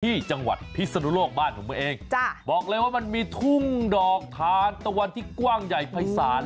ที่จังหวัดพิศนุโลกบ้านของตัวเองจ้ะบอกเลยว่ามันมีทุ่งดอกทานตะวันที่กว้างใหญ่ภายศาล